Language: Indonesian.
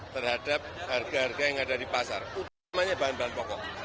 terhadap harga harga yang ada di pasar utamanya bahan bahan pokok